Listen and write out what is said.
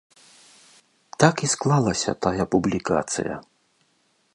Так і склалася тая публікацыя.